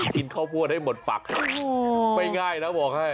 กินข้าวโพดได้หมดฝักไม่ง่ายนะบอกให้